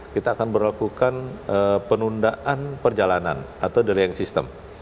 kita akan berlakukan penundaan perjalanan atau daring system